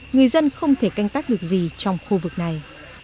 người dân không thể canh tác được gì trong khu vực này